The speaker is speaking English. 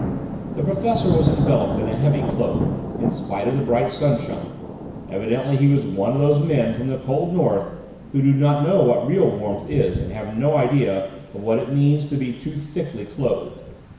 The professor was enveloped in a heavy cloak, in spite of the bright sunshine; evidently he was one of those men from the cold North who do not know what real warmth is and have no idea of what it means to be too thickly clothed.